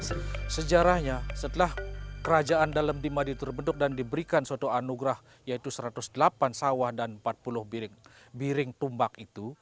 sejarahnya setelah kerajaan dalam lima diturbeduk dan diberikan suatu anugerah yaitu satu ratus delapan sawah dan empat puluh biring tumbak itu